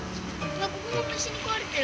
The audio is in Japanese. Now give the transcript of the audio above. ここもむしにくわれてる！